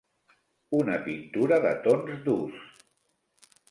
Una pintura de tons durs.